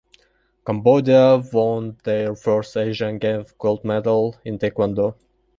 Cambodia won their first Asian Games gold medal in taekwondo.